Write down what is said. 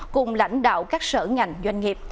cùng lãnh đạo các sở ngành doanh nghiệp